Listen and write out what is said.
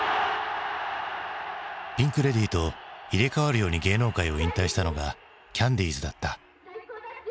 ピンク・レディーと入れ代わるように芸能界を引退したのがキャンディーズだった。